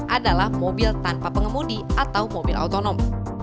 adalah mobil tanpa pengemudi atau mobil otonom